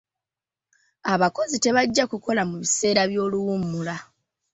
Abakozi tebajja kukola mu biseera by'oluwummula.